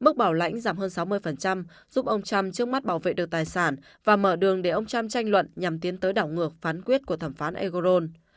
mức bảo lãnh giảm hơn sáu mươi giúp ông trump trước mắt bảo vệ được tài sản và mở đường để ông trump tranh luận nhằm tiến tới đảo ngược phán quyết của thẩm phán egoron